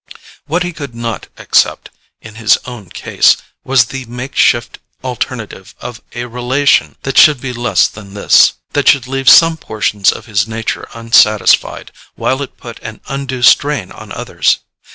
What he could not accept, in his own case, was the makeshift alternative of a relation that should be less than this: that should leave some portions of his nature unsatisfied, while it put an undue strain on others.